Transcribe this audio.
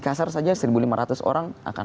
kasar saja satu lima ratus orang akan